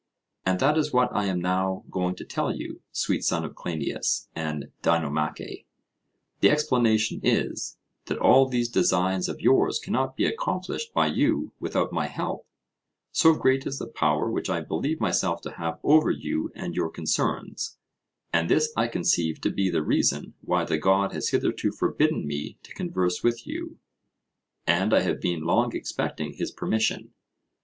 And that is what I am now going to tell you, sweet son of Cleinias and Dinomache. The explanation is, that all these designs of yours cannot be accomplished by you without my help; so great is the power which I believe myself to have over you and your concerns; and this I conceive to be the reason why the God has hitherto forbidden me to converse with you, and I have been long expecting his permission.